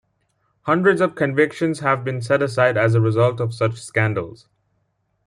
Hundreds of convictions have been set aside as a result of such scandals.